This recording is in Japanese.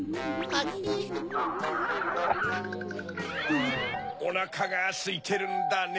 グゥおなかがすいてるんだね。